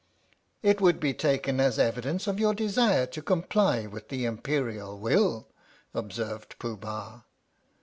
It would be taken as evidence of your desire to comply with the Imperial will," observed Pooh Bah.